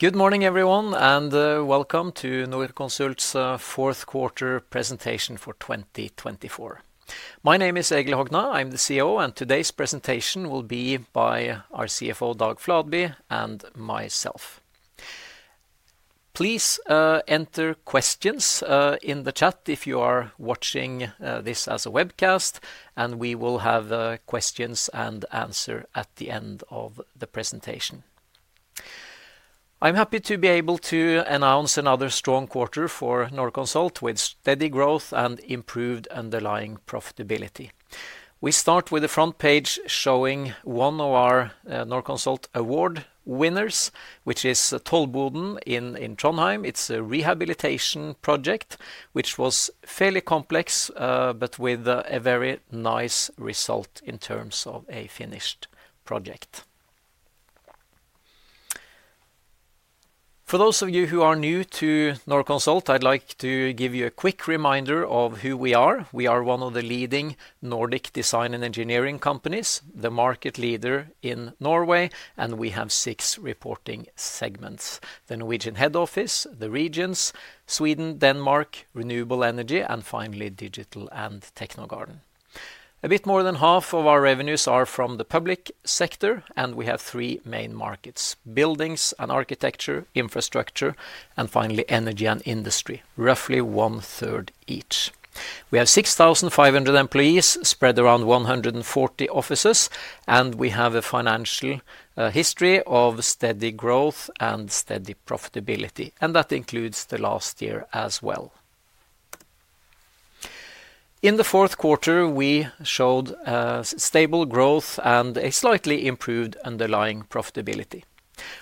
Good morning, everyone, and welcome to Norconsult's fourth quarter presentation for 2024. My name is Egil Hogna. I'm the CEO, and today's presentation will be by our CFO, Dag Fladby, and myself. Please enter questions in the chat if you are watching this as a webcast, and we will have questions and answers at the end of the presentation. I'm happy to be able to announce another strong quarter for Norconsult, with steady growth and improved underlying profitability. We start with the front page showing one of our Norconsult award winners, which is Tollboden in Trondheim. It's a rehabilitation project which was fairly complex, but with a very nice result in terms of a finished project. For those of you who are new to Norconsult, I'd like to give you a quick reminder of who we are. We are one of the leading Nordic design and engineering companies, the market leader in Norway, and we have six reporting segments: the Norwegian head office, the regions, Sweden, Denmark, renewable energy, and finally Digital and Technogarden. A bit more than half of our revenues are from the public sector, and we have three main markets: buildings, architecture, infrastructure, and finally energy and industry, roughly one third each. We have 6,500 employees spread around 140 offices, and we have a financial history of steady growth and steady profitability, and that includes the last year as well. In the fourth quarter, we showed stable growth and a slightly improved underlying profitability.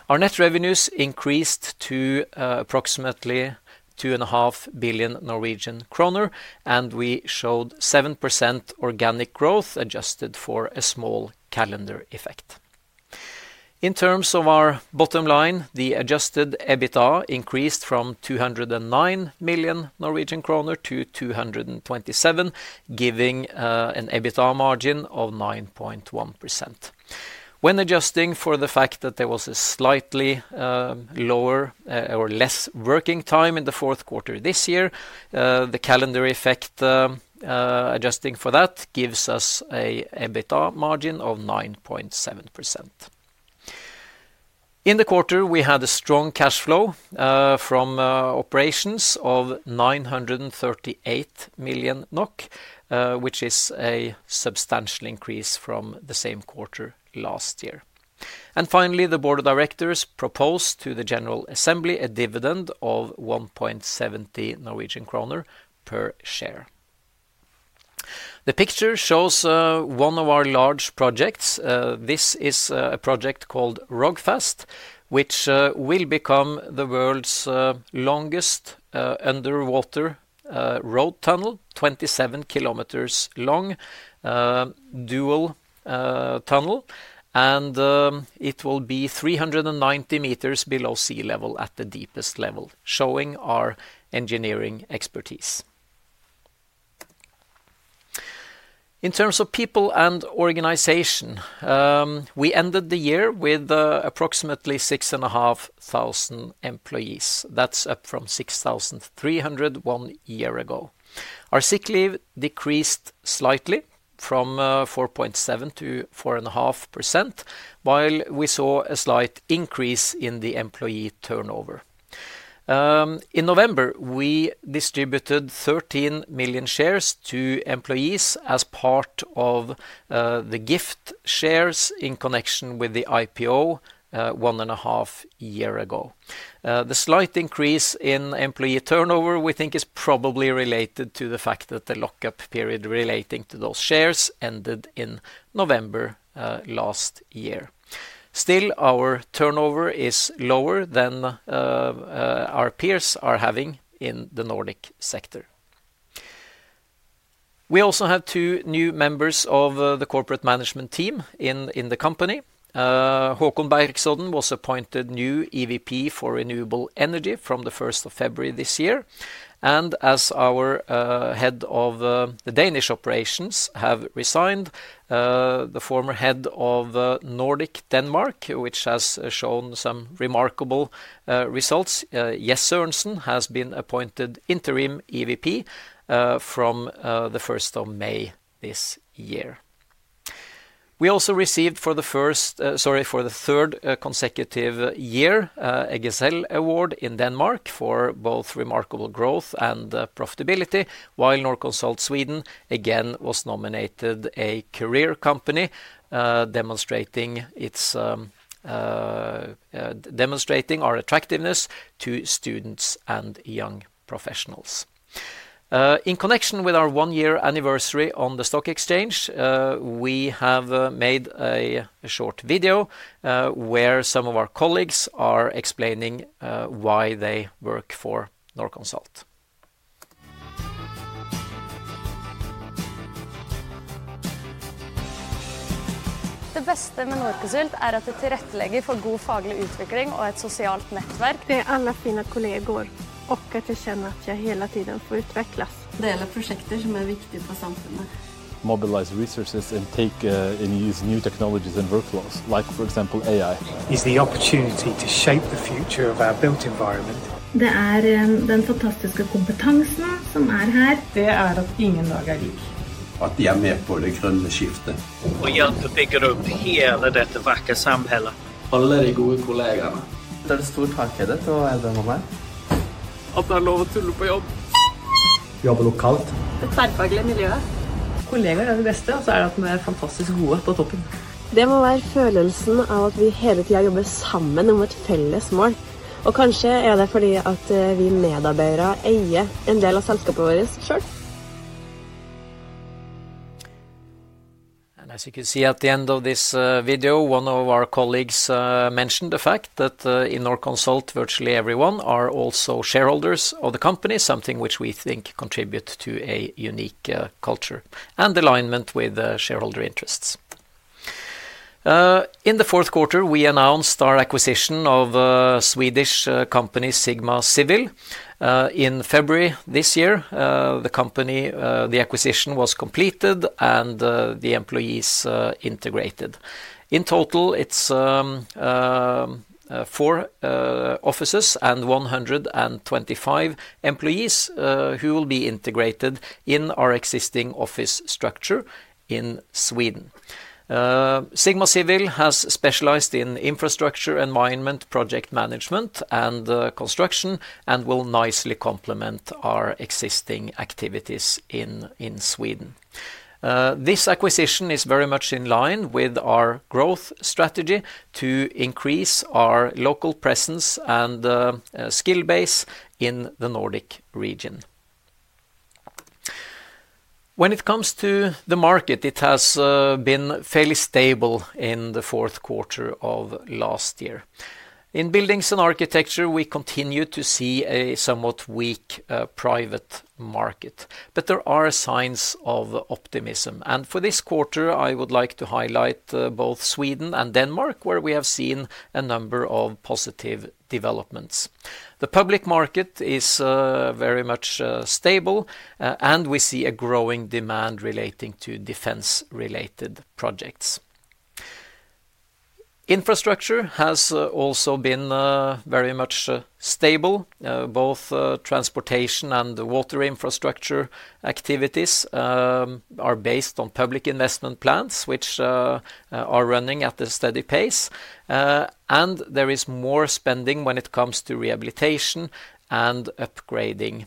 Our net revenues increased to approximately 2.5 billion Norwegian kroner, and we showed 7% organic growth adjusted for a small calendar effect. In terms of our bottom line, the adjusted EBITDA increased from 209 million Norwegian kroner to 227 million NOK, giving an EBITDA margin of 9.1%. When adjusting for the fact that there was a slightly lower or less working time in the fourth quarter this year, the calendar effect adjusting for that gives us an EBITDA margin of 9.7%. In the quarter, we had a strong cash flow from operations of 938 million NOK, which is a substantial increase from the same quarter last year. And finally, the board of directors proposed to the General Assembly a dividend of 1.70 Norwegian kroner per share. The picture shows one of our large projects. This is a project called Rogfast, which will become the world's longest underwater road tunnel, 27 km long, dual tunnel, and it will be 390 m below sea level at the deepest level, showing our engineering expertise. In terms of people and organization, we ended the year with approximately 6,500 employees. That's up from 6,300 one year ago. Our sick leave decreased slightly from 4.7% to 4.5%, while we saw a slight increase in the employee turnover. In November, we distributed 13 million shares to employees as part of the Gift shares in connection with the IPO one and a half years ago. The slight increase in employee turnover, we think, is probably related to the fact that the lockup period relating to those shares ended in November last year. Still, our turnover is lower than our peers are having in the Nordic sector. We also have two new members of the corporate management team in the company. Håkon Bergsson was appointed new EVP for renewable energy from the 1st of February this year. As our head of the Danish operations has resigned, the former head of Nordic Denmark, which has shown some remarkable results, Jess Sørensen, has been appointed Interim EVP from the 1st of May this year. We also received for the first, sorry, for the third consecutive year, a Gazelle Award in Denmark for both remarkable growth and profitability, while Norconsult Sweden again was nominated a Career Company, demonstrating our attractiveness to students and young professionals. In connection with our one-year anniversary on the stock exchange, we have made a short video where some of our colleagues are explaining why they work for Norconsult. Det beste med Norconsult at det tilrettelegger for god faglig utvikling og et sosialt nettverk. Det är alla fina kollegor och att jag känner att jag hela tiden får utvecklas. Det prosjekter som viktige for samfunnet. Mobilize resources and use new technologies and workflows, like for example AI. It's the opportunity to shape the future of our built environment. Det den fantastiske kompetansen som her. Det at ingen dag lik. At de med på det grønne skiftet. Og hjelper til å bygge opp hele dette vakre samfunnet. Alle de gode kollegaene. Det store taket ditt og eldre enn meg. At det er lov å tulle på jobb. Jobbe lokalt. Det tverrfaglige miljøet. Kollegaer, det beste, og så det at vi fantastisk gode på toppen. Det må være følelsen av at vi hele tiden jobber sammen om et felles mål. Og kanskje det fordi at vi medarbeidere eier en del av selskapet vårt selv. As you can see at the end of this video, one of our colleagues mentioned the fact that in Norconsult virtually everyone are also shareholders of the company, something which we think contributes to a unique culture and alignment with shareholder interests. In the fourth quarter, we announced our acquisition of Swedish company Sigma Civil. In February this year, the acquisition was completed and the employees integrated. In total, it's four offices and 125 employees who will be integrated in our existing office structure in Sweden. SigmaCivil has specialized in infrastructure, environment, project management, and construction, and will nicely complement our existing activities in Sweden. This acquisition is very much in line with our growth strategy to increase our local presence and skill base in the Nordic region. When it comes to the market, it has been fairly stable in the fourth quarter of last year. In buildings and architecture, we continue to see a somewhat weak private market, but there are signs of optimism. For this quarter, I would like to highlight both Sweden and Denmark, where we have seen a number of positive developments. The public market is very much stable, and we see a growing demand relating to defense-related projects. Infrastructure has also been very much stable. Both transportation and water infrastructure activities are based on public investment plans, which are running at a steady pace. There is more spending when it comes to rehabilitation and upgrading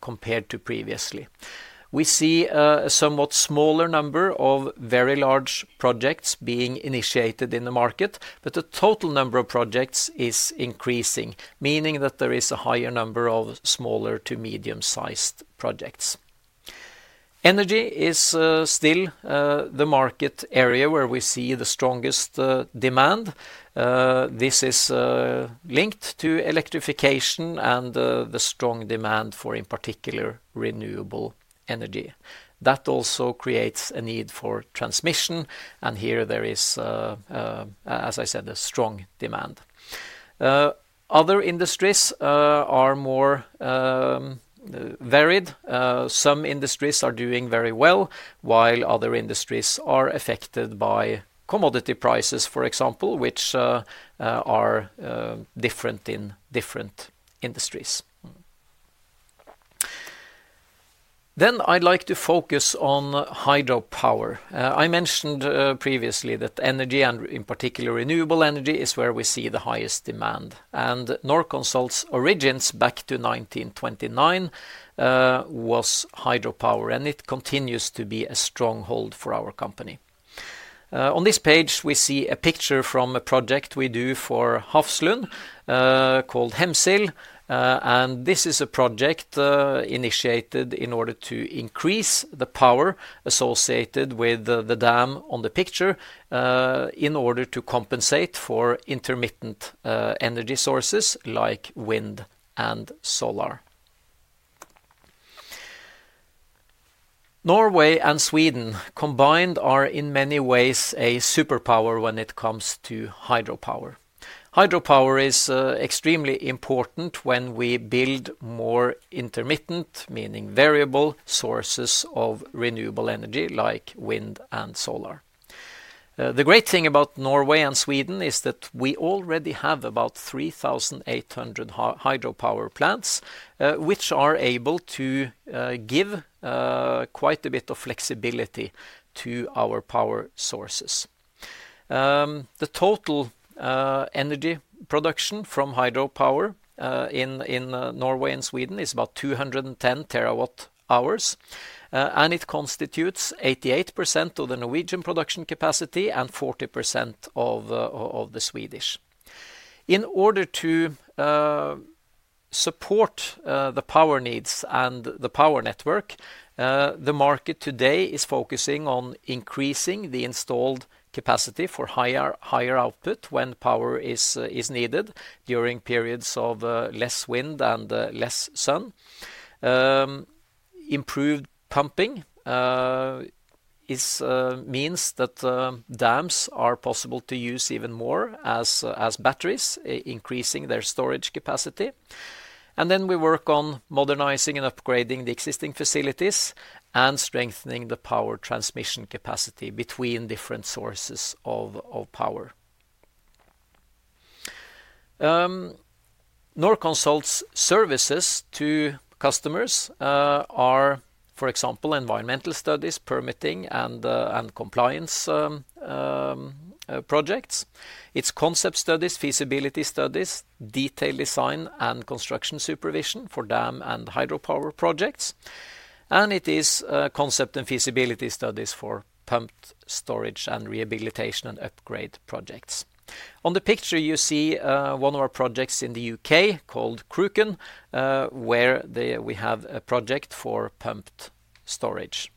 compared to previously. We see a somewhat smaller number of very large projects being initiated in the market, but the total number of projects is increasing, meaning that there is a higher number of smaller to medium-sized projects. Energy is still the market area where we see the strongest demand. This is linked to electrification and the strong demand for, in particular, renewable energy. That also creates a need for transmission, and here there is, as I said, a strong demand. Other industries are more varied. Some industries are doing very well, while other industries are affected by commodity prices, for example, which are different in different industries. Then I'd like to focus on hydropower. I mentioned previously that energy, and in particular renewable energy, is where we see the highest demand. And Norconsult's origins back to 1929 was hydropower, and it continues to be a stronghold for our company. On this page, we see a picture from a project we do for Hafslund called Hemsil. And this is a project initiated in order to increase the power associated with the dam on the picture in order to compensate for intermittent energy sources like wind and solar. Norway and Sweden combined are in many ways a superpower when it comes to hydropower. Hydropower is extremely important when we build more intermittent, meaning variable sources of renewable energy like wind and solar. The great thing about Norway and Sweden is that we already have about 3,800 hydropower plants, which are able to give quite a bit of flexibility to our power sources. The total energy production from hydropower in Norway and Sweden is about 210 terawatt hours, and it constitutes 88% of the Norwegian production capacity and 40% of the Swedish. In order to support the power needs and the power network, the market today is focusing on increasing the installed capacity for higher output when power is needed during periods of less wind and less sun. Improved pumping means that dams are possible to use even more as batteries, increasing their storage capacity. And then we work on modernizing and upgrading the existing facilities and strengthening the power transmission capacity between different sources of power. Norconsult's services to customers are, for example, environmental studies, permitting and compliance projects. It's concept studies, feasibility studies, detailed design and construction supervision for dam and hydropower projects. And it is concept and feasibility studies for pumped storage and rehabilitation and upgrade projects. On the picture, you see one of our projects in the U.K. called Cruachan, where we have a project for pumped storage.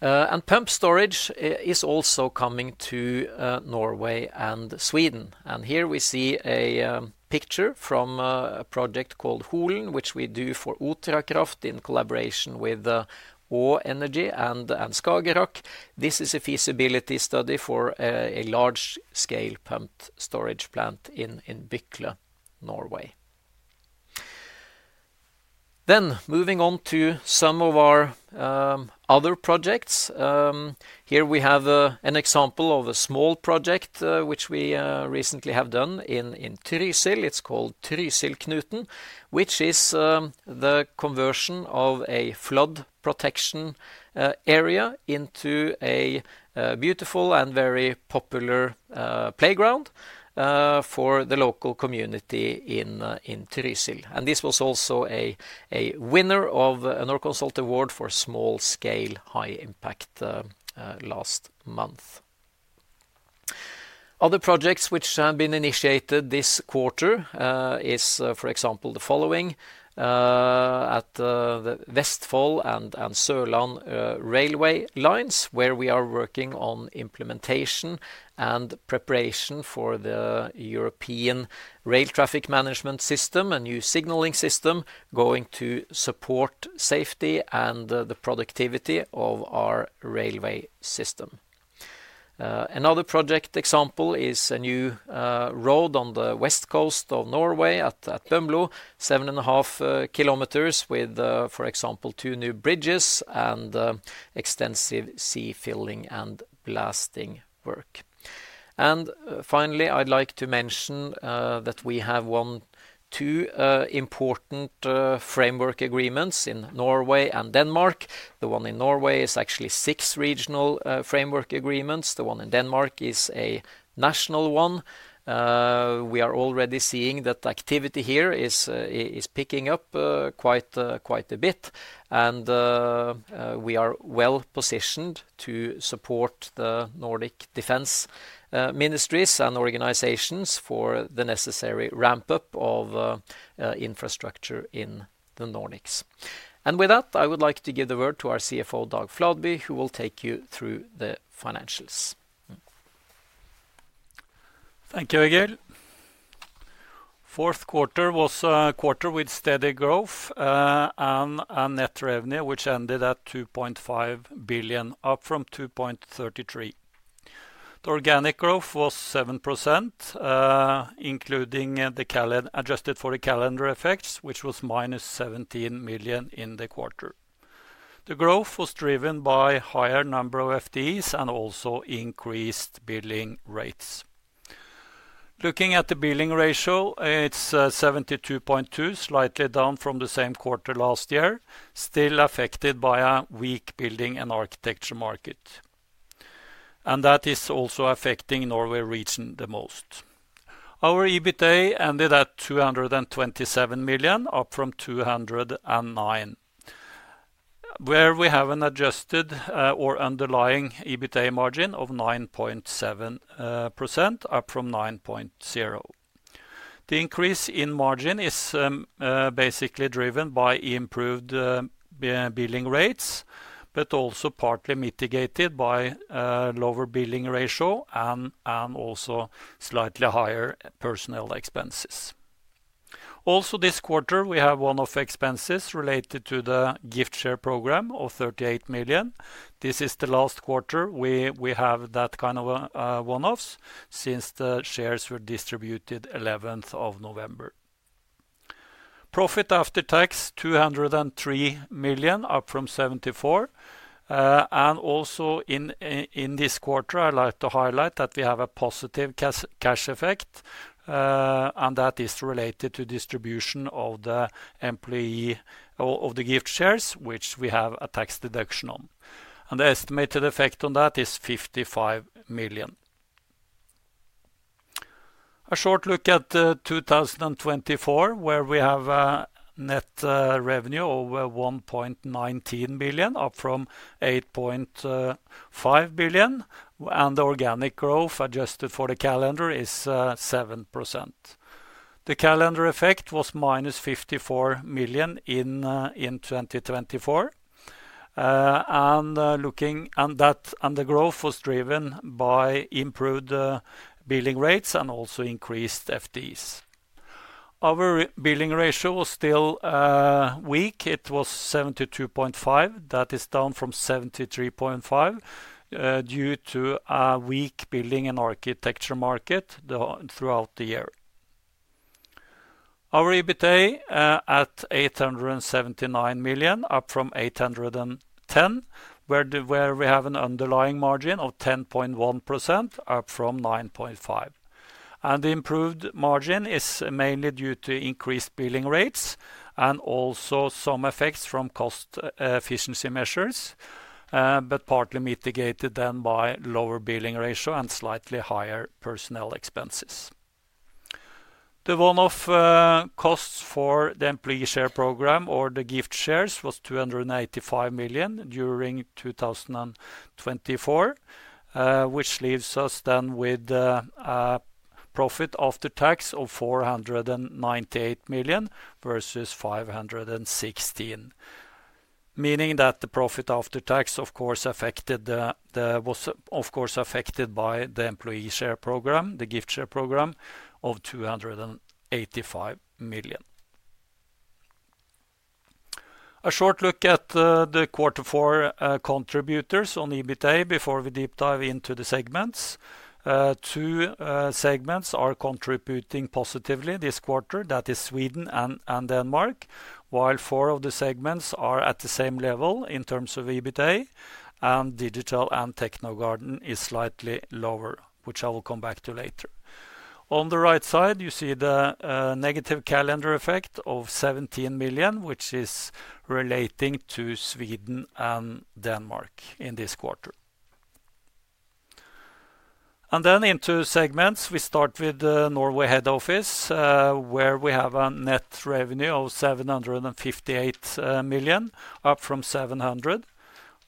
And pumped storage is also coming to Norway and Sweden. And here we see a picture from a project called Holen, which we do for Otra Kraft in collaboration with Å Energi and Skagerak Kraft. This is a feasibility study for a large-scale pumped storage plant in Bykle, Norway. Then moving on to some of our other projects. Here we have an example of a small project which we recently have done in Trysil. It's called Trysilknuten, which is the conversion of a flood protection area into a beautiful and very popular playground for the local community in Trysil. And this was also a winner of a Norconsult Award for small-scale high impact last month. Other projects which have been initiated this quarter is, for example, the following at the Vestfold and Sørland railway lines, where we are working on implementation and preparation for the European Rail Traffic Management System, a new signaling system going to support safety and the productivity of our railway system. Another project example is a new road on the west coast of Norway at Bømlo, seven and a half kilometers with, for example, two new bridges and extensive sea filling and blasting work. And finally, I'd like to mention that we have two important framework agreements in Norway and Denmark. The one in Norway is actually six regional framework agreements. The one in Denmark is a national one. We are already seeing that activity here is picking up quite a bit, and we are well positioned to support the Nordic defense ministries and organizations for the necessary ramp-up of infrastructure in the Nordics. And with that, I would like to give the word to our CFO, Dag Fladby, who will take you through the financials. Thank you, Egil. Fourth quarter was a quarter with steady growth and a net revenue which ended at 2.5 billion, up from 2.33 billion. The organic growth was 7%, including the adjusted for the calendar effects, which was minus 17 million in the quarter. The growth was driven by a higher number of FTEs and also increased billing rates. Looking at the billing ratio, it's 72.2%, slightly down from the same quarter last year, still affected by a weak building and architecture market. And that is also affecting Norway region the most. Our EBITDA ended at 227 million, up from 209 million, where we have an adjusted or underlying EBITDA margin of 9.7%, up from 9.0%. The increase in margin is basically driven by improved billing rates, but also partly mitigated by a lower billing ratio and also slightly higher personnel expenses. Also, this quarter, we have one-off expenses related to the gift share program of 38 million. This is the last quarter we have that kind of one-offs since the shares were distributed on the 11th of November. Profit after tax is 203 million, up from 74 million. Also in this quarter, I'd like to highlight that we have a positive cash effect, and that is related to distribution of the employees' gift shares, which we have a tax deduction on. And the estimated effect on that is 55 million. A short look at 2024, where we have a net revenue of 1.19 billion, up from 8.5 billion, and the organic growth adjusted for the calendar is 7%. The calendar effect was minus 54 million in 2024. And that and the growth was driven by improved billing rates and also increased FTEs. Our billing ratio was still weak. It was 72.5. That is down from 73.5 due to a weak building and architecture market throughout the year. Our EBITDA is at 879 million, up from 810, where we have an underlying margin of 10.1%, up from 9.5%. The improved margin is mainly due to increased billing rates and also some effects from cost efficiency measures, but partly mitigated then by lower billing ratio and slightly higher personnel expenses. The one-off costs for the employee share program or the gift shares was 285 million during 2024, which leaves us then with a profit after tax of 498 million versus 516 million, meaning that the profit after tax was, of course, affected by the employee share program, the gift share program of 285 million. A short look at the quarter four contributors on EBITDA before we deep dive into the segments. Two segments are contributing positively this quarter. That is Sweden and Denmark, while four of the segments are at the same level in terms of EBITDA, and Digital and Technogarden is slightly lower, which I will come back to later. On the right side, you see the negative calendar effect of 17 million, which is relating to Sweden and Denmark in this quarter, and then into segments, we start with the Norway head office, where we have a net revenue of 758 million, up from 700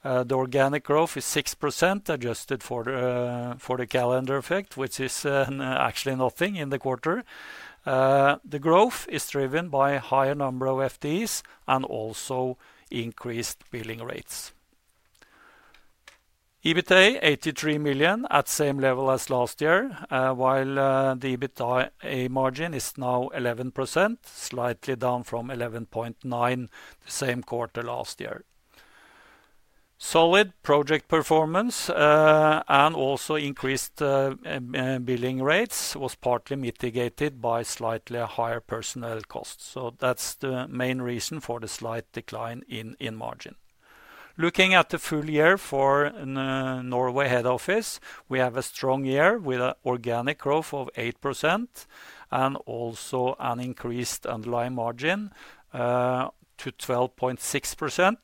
million. The organic growth is 6% adjusted for the calendar effect, which is actually nothing in the quarter. The growth is driven by a higher number of FTEs and also increased billing rates. EBITDA is 83 million at the same level as last year, while the EBITDA margin is now 11%, slightly down from 11.9% the same quarter last year. Solid project performance and also increased billing rates was partly mitigated by slightly higher personnel costs, so that's the main reason for the slight decline in margin. Looking at the full year for Norway head office, we have a strong year with an organic growth of 8% and also an increased underlying margin to 12.6%,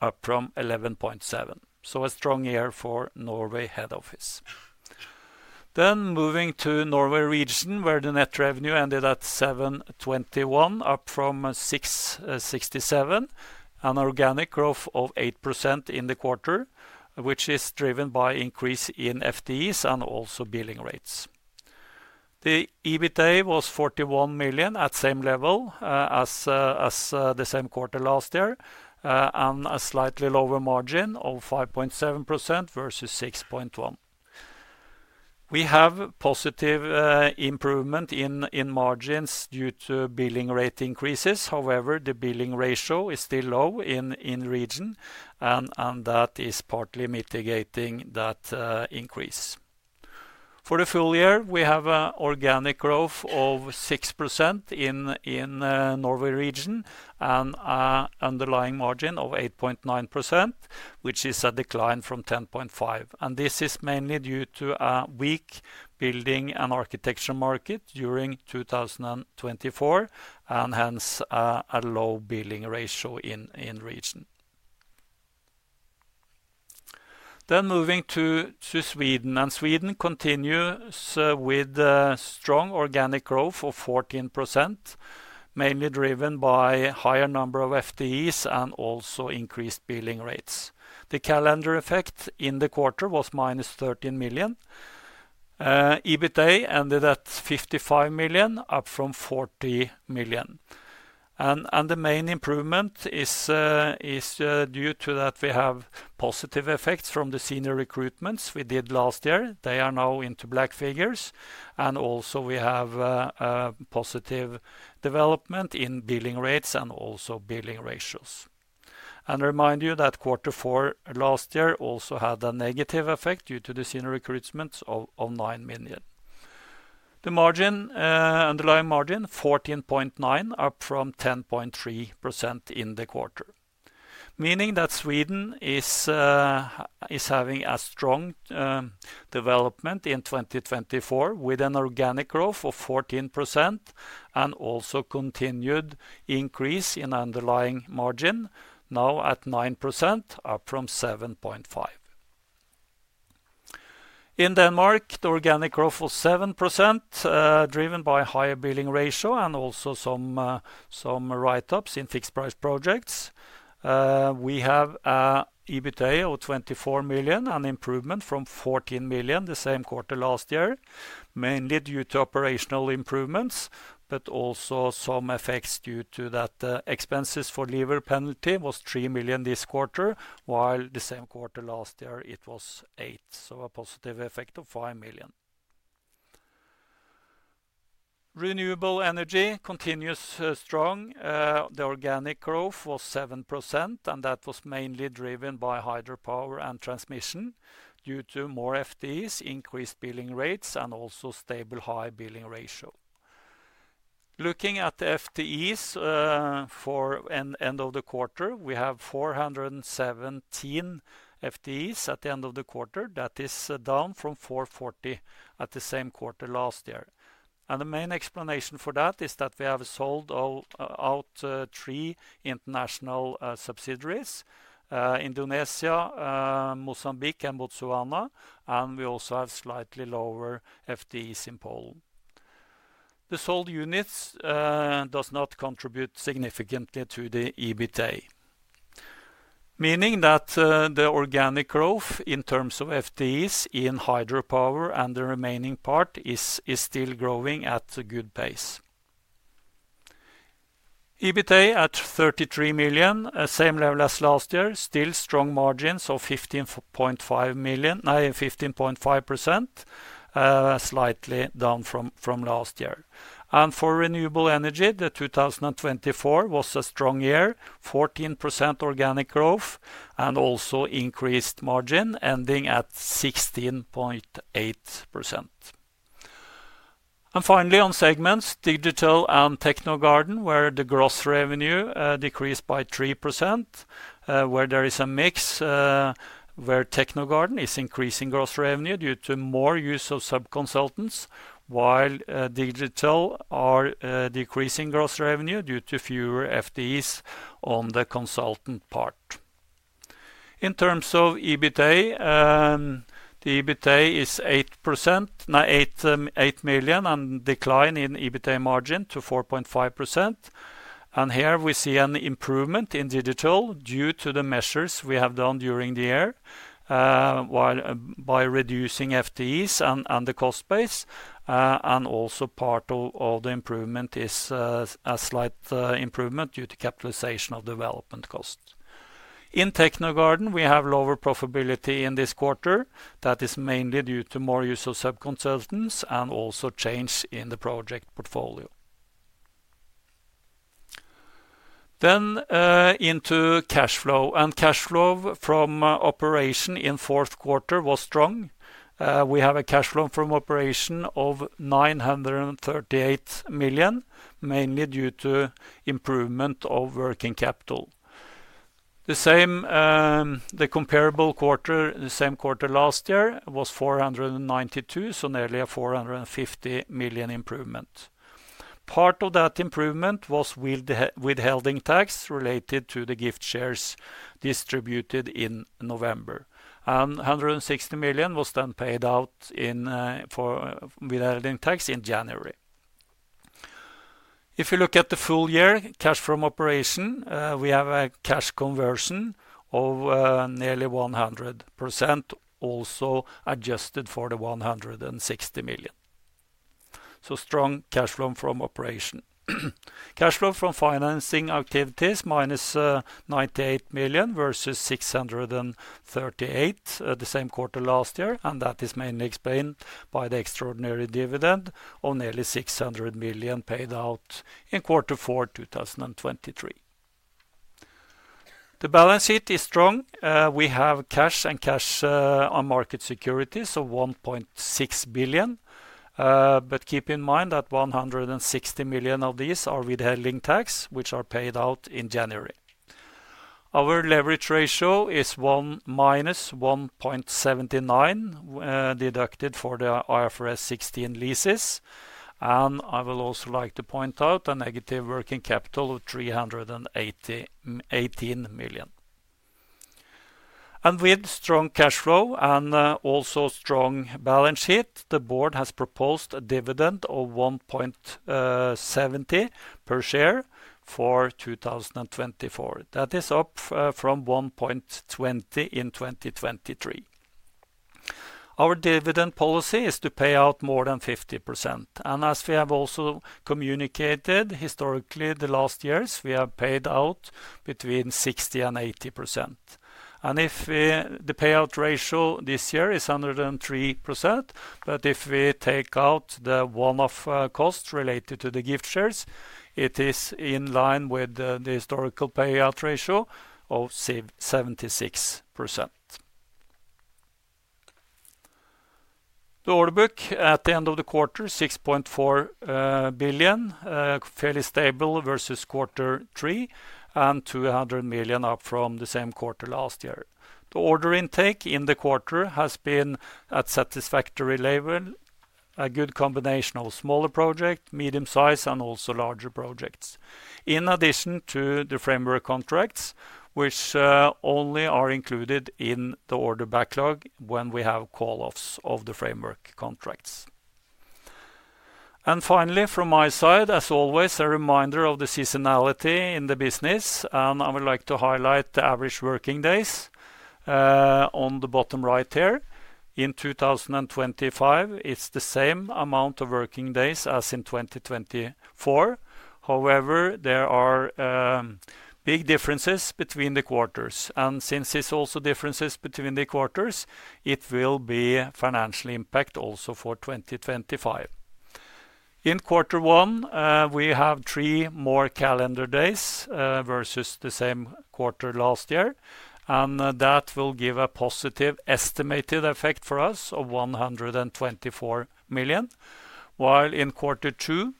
up from 11.7%. So a strong year for Norway head office. Then moving to Norway region, where the net revenue ended at 721 million, up from 667 million, an organic growth of 8% in the quarter, which is driven by increase in FTEs and also billing rates. The EBITDA was 41 million at the same level as the same quarter last year and a slightly lower margin of 5.7% versus 6.1%. We have positive improvement in margins due to billing rate increases. However, the billing ratio is still low in region, and that is partly mitigating that increase. For the full year, we have an organic growth of 6% in Norway region and an underlying margin of 8.9%, which is a decline from 10.5%. And this is mainly due to a weak building and architecture market during 2024 and hence a low billing ratio in region. Then moving to Sweden, and Sweden continues with strong organic growth of 14%, mainly driven by a higher number of FTEs and also increased billing rates. The calendar effect in the quarter was minus 13 million NOK. EBITDA ended at 55 million NOK, up from 40 million NOK. And the main improvement is due to that we have positive effects from the senior recruitments we did last year. They are now into black figures. And also we have positive development in billing rates and also billing ratios. And I remind you that quarter four last year also had a negative effect due to the senior recruitments of 9 million NOK. The margin, underlying margin, 14.9%, up from 10.3% in the quarter, meaning that Sweden is having a strong development in 2024 with an organic growth of 14% and also continued increase in underlying margin, now at 9%, up from 7.5%. In Denmark, the organic growth was 7%, driven by a higher billing ratio and also some write-ups in fixed price projects. We have an EBITDA of 24 million, an improvement from 14 million the same quarter last year, mainly due to operational improvements, but also some effects due to that expenses for severance was 3 million this quarter, while the same quarter last year it was 8 million, so a positive effect of 5 million. Renewable energy continues strong. The organic growth was 7%, and that was mainly driven by hydropower and transmission due to more FTEs, increased billing rates, and also stable high billing ratio. Looking at the FTEs for the end of the quarter, we have 417 FTEs at the end of the quarter. That is down from 440 at the same quarter last year. The main explanation for that is that we have sold out three international subsidiaries: Indonesia, Mozambique, and Botswana. We also have slightly lower FTEs in Poland. The sold units do not contribute significantly to the EBITDA, meaning that the organic growth in terms of FTEs in hydropower and the remaining part is still growing at a good pace. EBITDA at 33 million, same level as last year, still strong margins of 15.5 million, 15.5%, slightly down from last year. For renewable energy, 2024 was a strong year, 14% organic growth, and also increased margin ending at 16.8%. Finally, on segments, Digital and Technogarden, where the gross revenue decreased by 3%, where there is a mix where Technogarden is increasing gross revenue due to more use of subconsultants, while Digital are decreasing gross revenue due to fewer FTEs on the consultant part. In terms of EBITDA, the EBITDA is 8%, 8 million, and decline in EBITDA margin to 4.5%. Here we see an improvement in Digital due to the measures we have done during the year by reducing FTEs and the cost base. Also part of the improvement is a slight improvement due to capitalization of development costs. In Technogarden, we have lower profitability in this quarter. That is mainly due to more use of subconsultants and also change in the project portfolio. Into cash flow. Cash flow from operation in fourth quarter was strong. We have a cash flow from operations of 938 million, mainly due to improvement of working capital. The comparable quarter, the same quarter last year, was 492 million, so nearly a 450 million improvement. Part of that improvement was with withholding tax related to the gift shares distributed in November, and 160 million was then paid out withholding tax in January. If you look at the full year, cash from operations, we have a cash conversion of nearly 100%, also adjusted for the 160 million, so strong cash flow from operations. Cash flow from financing activities minus 98 million versus 638 million the same quarter last year, and that is mainly explained by the extraordinary dividend of nearly 600 million paid out in quarter four 2023. The balance sheet is strong. We have cash and cash equivalents and marketable securities, so 1.6 billion. But keep in mind that 160 million of these are withholding tax, which are paid out in January. Our leverage ratio is 1 minus 1.79 deducted for the IFRS 16 leases. And I would also like to point out a negative working capital of 318 million. And with strong cash flow and also strong balance sheet, the board has proposed a dividend of 1.70 per share for 2024. That is up from 1.20 in 2023. Our dividend policy is to pay out more than 50%. And as we have also communicated historically the last years, we have paid out between 60% and 80%. And if the payout ratio this year is 103%, but if we take out the one-off costs related to the gift shares, it is in line with the historical payout ratio of 76%. The order book at the end of the quarter: 6.4 billion, fairly stable versus quarter three and 200 million up from the same quarter last year. The order intake in the quarter has been at satisfactory level, a good combination of smaller projects, medium size, and also larger projects, in addition to the framework contracts, which only are included in the order backlog when we have call-offs of the framework contracts. And finally, from my side, as always, a reminder of the seasonality in the business. And I would like to highlight the average working days on the bottom right here. In 2025, it's the same amount of working days as in 2024. However, there are big differences between the quarters. And since there's also differences between the quarters, it will be a financial impact also for 2025. In quarter one, we have three more calendar days versus the same quarter last year, and that will give a positive estimated effect for us of 124 million NOK. While in quarter two,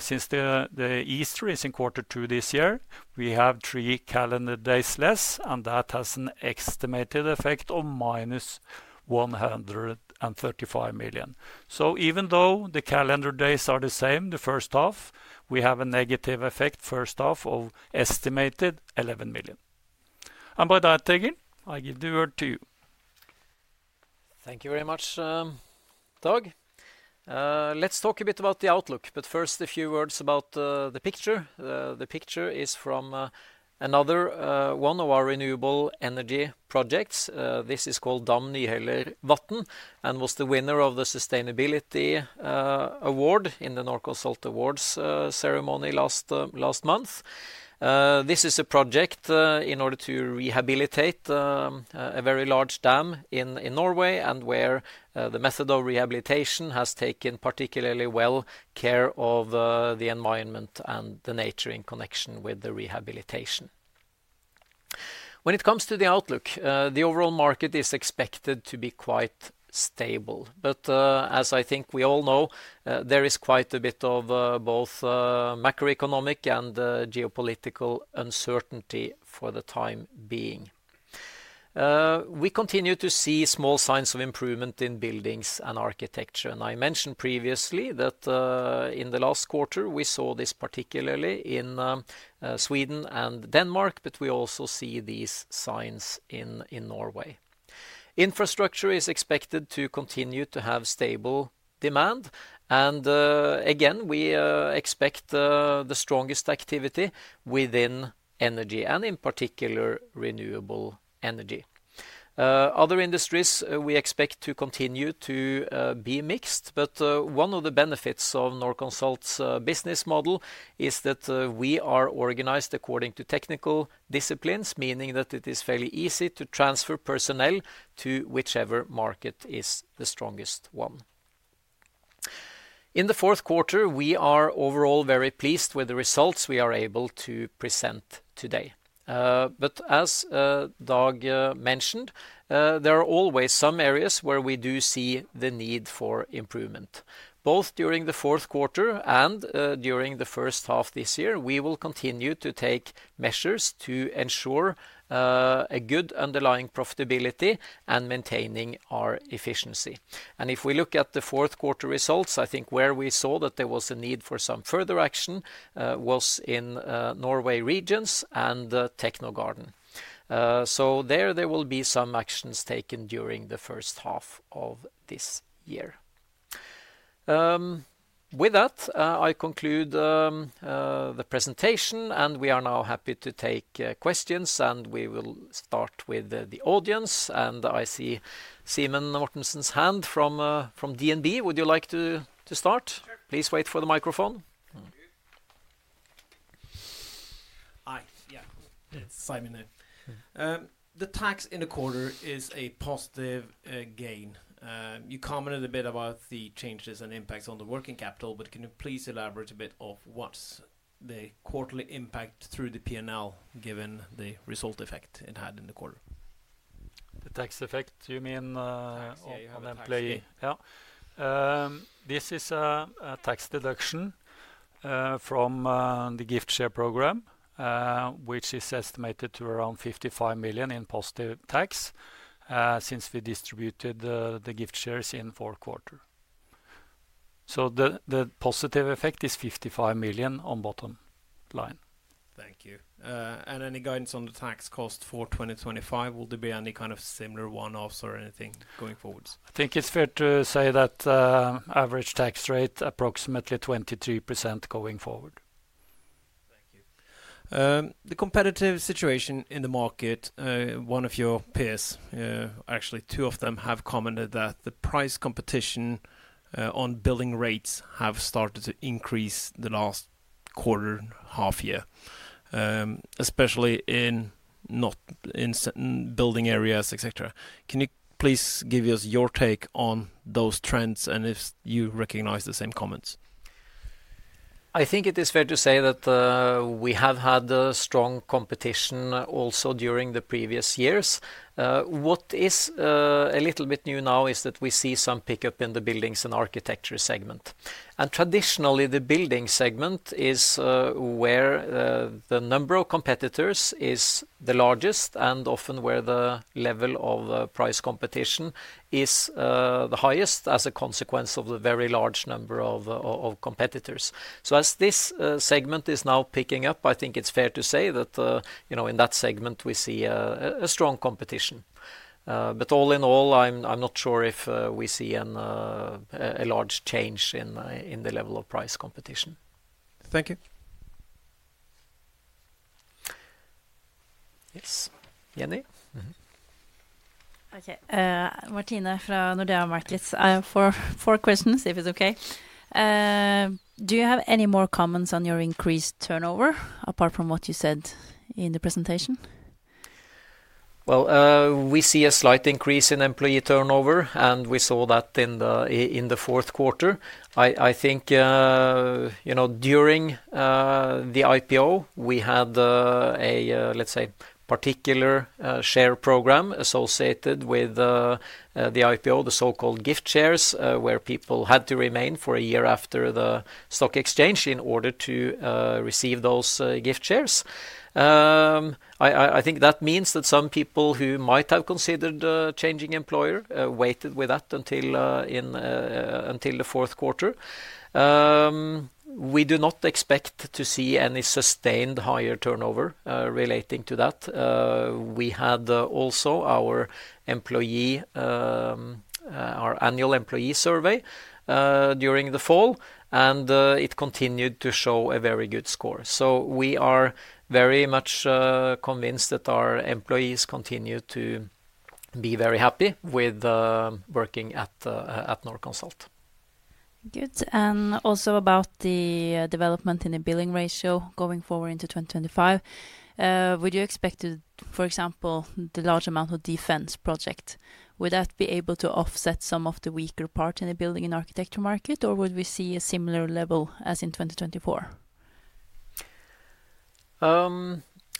since the Easter is in quarter two this year, we have three calendar days less, and that has an estimated effect of minus 135 million NOK. Even though the calendar days are the same, the first half, we have a negative effect first half of estimated 11 million NOK. By that, Egil, I give the word to you. Thank you very much, Dag. Let's talk a bit about the outlook, but first a few words about the picture. The picture is from another one of our renewable energy projects. This is called Dam Nyhellervatn and was the winner of the Sustainability Award in the Norconsult Awards ceremony last month. This is a project in order to rehabilitate a very large dam in Norway and where the method of rehabilitation has taken particularly well care of the environment and the nature in connection with the rehabilitation. When it comes to the outlook, the overall market is expected to be quite stable. But as I think we all know, there is quite a bit of both macroeconomic and geopolitical uncertainty for the time being. We continue to see small signs of improvement in buildings and architecture. And I mentioned previously that in the last quarter, we saw this particularly in Sweden and Denmark, but we also see these signs in Norway. Infrastructure is expected to continue to have stable demand. And again, we expect the strongest activity within energy and in particular renewable energy. Other industries we expect to continue to be mixed, but one of the benefits of Norconsult's business model is that we are organized according to technical disciplines, meaning that it is fairly easy to transfer personnel to whichever market is the strongest one. In the fourth quarter, we are overall very pleased with the results we are able to present today. As Dag mentioned, there are always some areas where we do see the need for improvement. Both during the fourth quarter and during the first half this year, we will continue to take measures to ensure a good underlying profitability and maintaining our efficiency. If we look at the fourth quarter results, I think where we saw that there was a need for some further action was in Norway regions and Technogarden. There will be some actions taken during the first half of this year. With that, I conclude the presentation, and we are now happy to take questions, and we will start with the audience. I see Simon Mortensen's hand from DNB. Would you like to start? Please wait for the microphone. Hi, yeah, Simon there. The tax in the quarter is a positive gain. You commented a bit about the changes and impacts on the working capital, but can you please elaborate a bit on what's the quarterly impact through the P&L given the result effect it had in the quarter? The tax effect, you mean on employee? Yeah. This is a tax deduction from the gift share program, which is estimated to around 55 million in positive tax since we distributed the gift shares in fourth quarter. So the positive effect is 55 million on bottom line. Thank you. Any guidance on the tax cost for 2025? Will there be any kind of similar one-offs or anything going forwards? I think it's fair to say that average tax rate approximately 23% going forward. Thank you. The competitive situation in the market, one of your peers, actually two of them have commented that the price competition on billing rates have started to increase the last quarter and half year, especially in billing areas, etc. Can you please give us your take on those trends and if you recognize the same comments? I think it is fair to say that we have had strong competition also during the previous years. What is a little bit new now is that we see some pickup in the buildings and architecture segment. And traditionally, the building segment is where the number of competitors is the largest and often where the level of price competition is the highest as a consequence of the very large number of competitors. So as this segment is now picking up, I think it's fair to say that in that segment we see a strong competition. But all in all, I'm not sure if we see a large change in the level of price competition. Thank you. Yes, Jenny? Okay, Martine from Nordea Markets. Four questions, if it's okay. Do you have any more comments on your increased turnover apart from what you said in the presentation? Well, we see a slight increase in employee turnover, and we saw that in the fourth quarter. I think during the IPO, we had a, let's say, particular share program associated with the IPO, the so-called gift shares, where people had to remain for a year after the stock exchange in order to receive those gift shares. I think that means that some people who might have considered changing employer waited with that until the fourth quarter. We do not expect to see any sustained higher turnover relating to that. We had also our annual employee survey during the fall, and it continued to show a very good score. So we are very much convinced that our employees continue to be very happy with working at Norconsult. Good. Also about the development in the billing ratio going forward into 2025, would you expect to, for example, the large amount of defense projects, would that be able to offset some of the weaker part in the building and architecture market, or would we see a similar level as in 2024?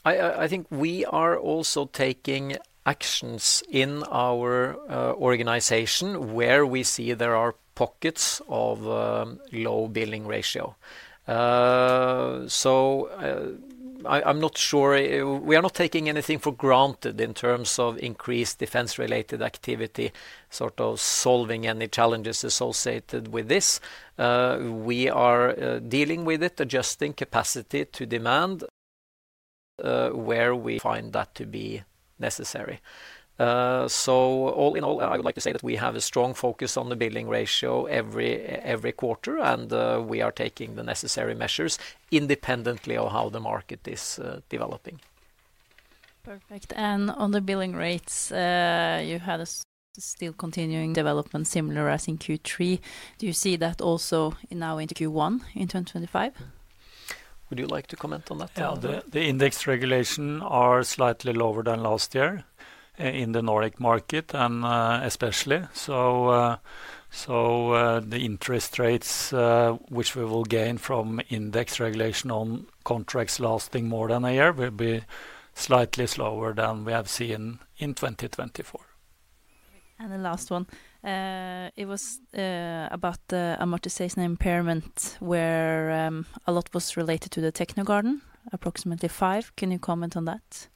I think we are also taking actions in our organization where we see there are pockets of low billing ratio. I'm not sure we are not taking anything for granted in terms of increased defense-related activity, sort of solving any challenges associated with this. We are dealing with it, adjusting capacity to demand where we find that to be necessary. All in all, I would like to say that we have a strong focus on the billing ratio every quarter, and we are taking the necessary measures independently of how the market is developing. Perfect. On the billing rates, you had still continuing development similar as in Q3. Do you see that also now into Q1 in 2025? Would you like to comment on that? The index regulations are slightly lower than last year in the Nordic market, and especially. So the interest rates, which we will gain from index regulation on contracts lasting more than a year, will be slightly slower than we have seen in 2024. And the last one, it was about amortization impairment where a lot was related to the Technogarden, approximately five. Can you comment on that?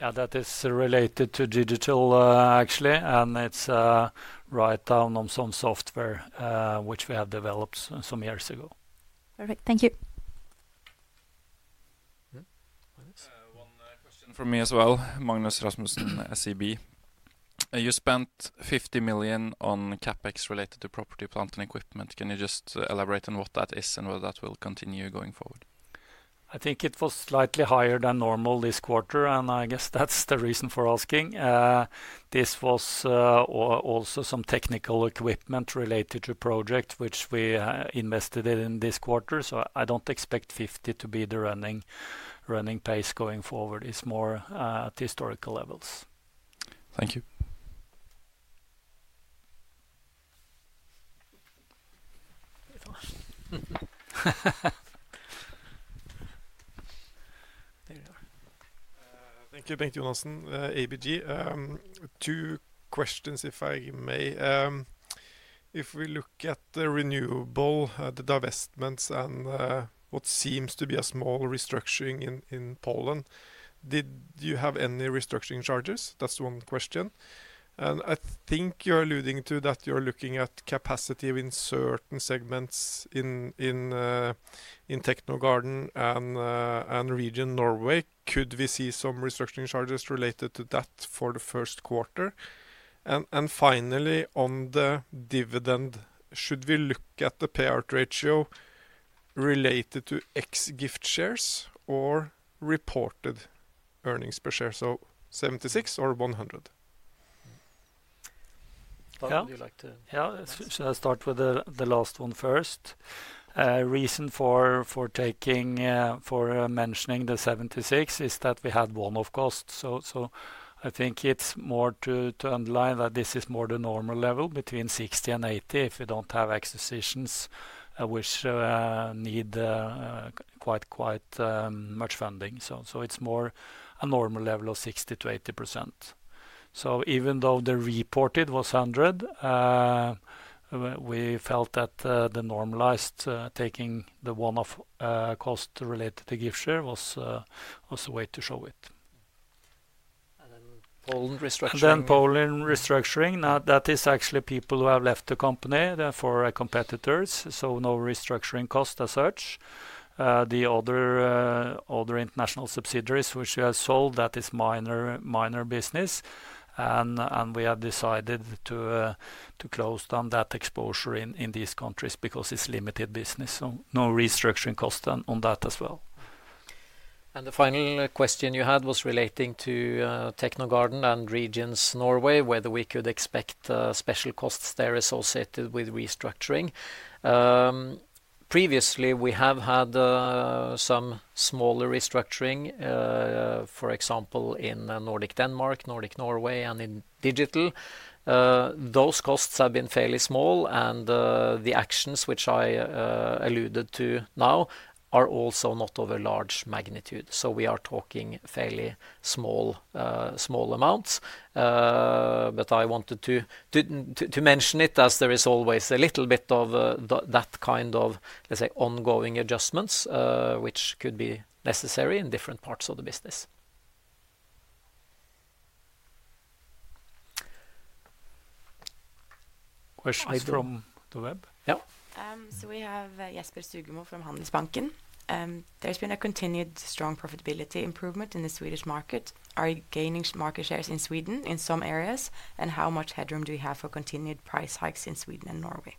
Yeah, that is related to digital, actually, and it's write-down on some software which we have developed some years ago. Perfect. Thank you. One question from me as well, Magnus Rasmussen, SEB. You spent 50 million on CapEx related to property, plant and equipment. Can you just elaborate on what that is and whether that will continue going forward? I think it was slightly higher than normal this quarter, and I guess that's the reason for asking. This was also some technical equipment related to projects which we invested in this quarter. So I don't expect 50 to be the running pace going forward. It's more at historical levels. Thank you. Thank you, Bengt Jonassen, ABG. Two questions, if I may. If we look at the renewable, the divestments, and what seems to be a small restructuring in Poland, did you have any restructuring charges? That's one question. And I think you're alluding to that you're looking at capacity in certain segments in Technogarden and region Norway. Could we see some restructuring charges related to that for the first quarter? Finally, on the dividend, should we look at the payout ratio related to ex-gift shares or reported earnings per share? So 76% or 100%? Yeah. Would you like to? Yeah, should I start with the last one first? Reason for mentioning the 76% is that we had one-off costs. So I think it's more to underline that this is more the normal level between 60% and 80% if we don't have acquisitions which need quite much funding. So it's more a normal level of 60%-80%. So even though the reported was 100%, we felt that the normalized taking the one-off cost related to gift share was a way to show it. And then Poland restructuring. Now, that is actually people who have left the company for competitors, so no restructuring cost as such. The other international subsidiaries which we have sold, that is minor business, and we have decided to close down that exposure in these countries because it's limited business. So no restructuring cost on that as well. And the final question you had was relating to Technogarden and regions Norway, whether we could expect special costs there associated with restructuring. Previously, we have had some smaller restructuring, for example, in Nordic Denmark, Nordic Norway, and in digital. Those costs have been fairly small, and the actions which I alluded to now are also not of a large magnitude. So we are talking fairly small amounts. But I wanted to mention it as there is always a little bit of that kind of, let's say, ongoing adjustments which could be necessary in different parts of the business. Questions from the web? Yeah. So we have Jesper Skogum from Handelsbanken. There has been a continued strong profitability improvement in the Swedish market. Are you gaining market shares in Sweden in some areas, and how much headroom do you have for continued price hikes in Sweden and Norway?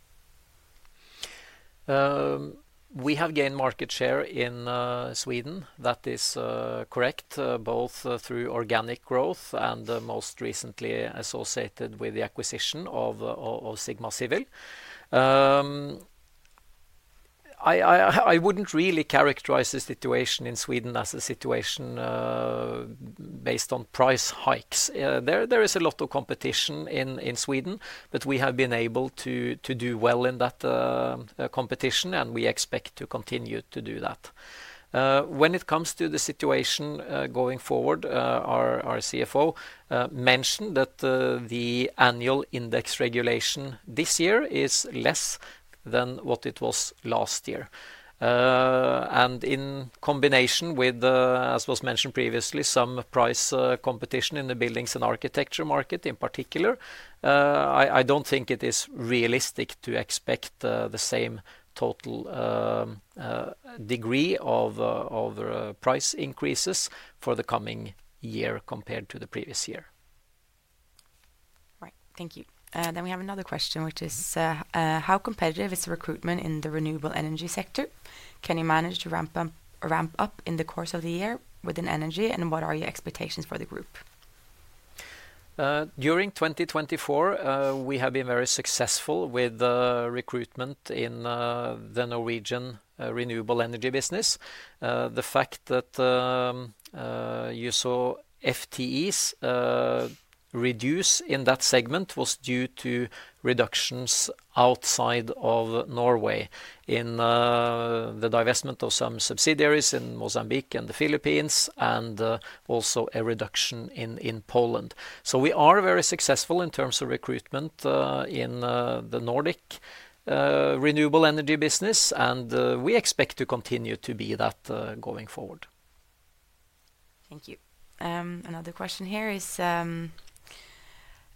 We have gained market share in Sweden. That is correct, both through organic growth and most recently associated with the acquisition of Sigma Civil. I wouldn't really characterize the situation in Sweden as a situation based on price hikes. There is a lot of competition in Sweden, but we have been able to do well in that competition, and we expect to continue to do that. When it comes to the situation going forward, our CFO mentioned that the annual index regulation this year is less than what it was last year. In combination with, as was mentioned previously, some price competition in the buildings and architecture market in particular, I don't think it is realistic to expect the same total degree of price increases for the coming year compared to the previous year. Right. Thank you. Then we have another question, which is how competitive is the recruitment in the renewable energy sector? Can you manage to ramp up in the course of the year within energy, and what are your expectations for the group? During 2024, we have been very successful with recruitment in the Norwegian renewable energy business. The fact that you saw FTEs reduce in that segment was due to reductions outside of Norway in the divestment of some subsidiaries in Mozambique and the Philippines, and also a reduction in Poland. So we are very successful in terms of recruitment in the Nordic renewable energy business, and we expect to continue to be that going forward. Thank you. Another question here is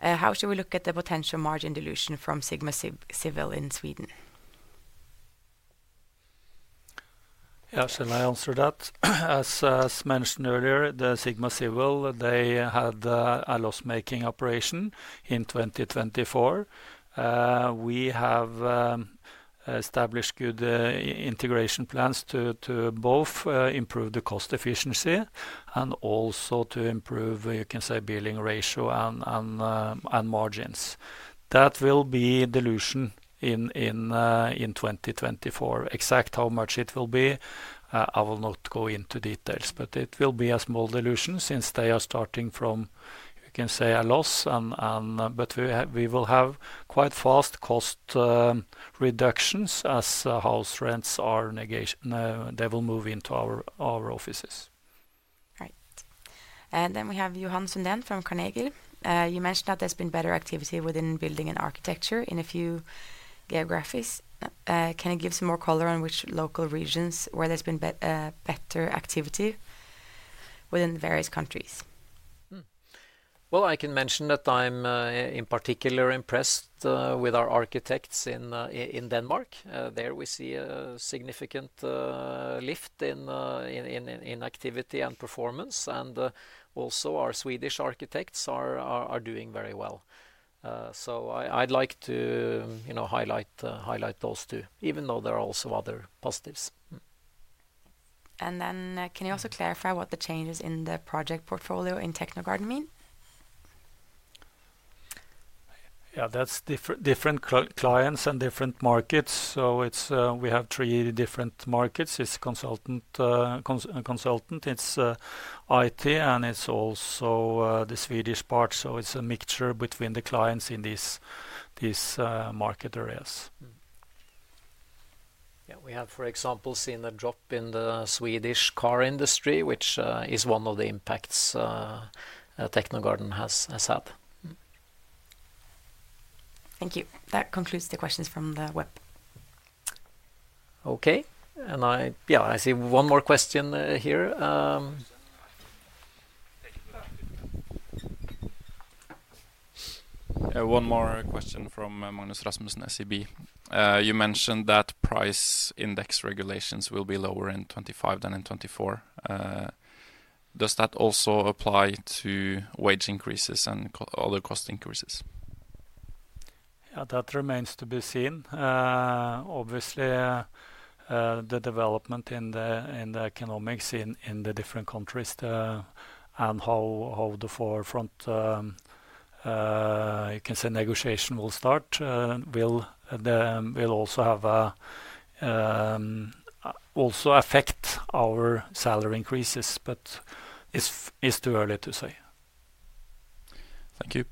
how should we look at the potential margin dilution from SigmaCivil in Sweden? Yes, and I answer that. As mentioned earlier, the SigmaCivil, they had a loss-making operation in 2024. We have established good integration plans to both improve the cost efficiency and also to improve, you can say, billing ratio and margins. That will be dilution in 2024. Exact how much it will be, I will not go into details, but it will be a small dilution since they are starting from, you can say, a loss. But we will have quite fast cost reductions as house rents are negated. They will move into our offices. Right. And then we have Johan Sundén from Carnegie. You mentioned that there's been better activity within building and architecture in a few geographies. Can you give some more color on which local regions where there's been better activity within various countries? I can mention that I'm in particular impressed with our architects in Denmark. There we see a significant lift in activity and performance, and also our Swedish architects are doing very well, so I'd like to highlight those too, even though there are also other positives. Can you also clarify what the changes in the project portfolio in Technogarden mean? Yeah, that's different clients and different markets, so we have three different markets. It's consultant, it's IT, and it's also the Swedish part, so it's a mixture between the clients in these market areas. Yeah, we have, for example, seen a drop in the Swedish car industry, which is one of the impacts Technogarden has had. Thank you. That concludes the questions from the web. Okay. And yeah, I see one more question here. One more question from Magnus Rasmussen, SEB. You mentioned that price index regulations will be lower in 2025 than in 2024. Does that also apply to wage increases and other cost increases? Yeah, that remains to be seen. Obviously, the development in the economics in the different countries and how the forefront, you can say, negotiation will start will also affect our salary increases, but it's too early to say. Thank you.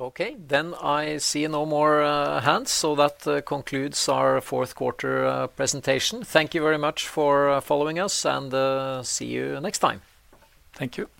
Okay. Then I see no more hands, so that concludes our fourth quarter presentation. Thank you very much for following us, and see you next time. Thank you.